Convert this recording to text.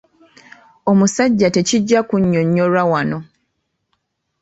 Omusajja tekijja kunnyonnyolwa wano.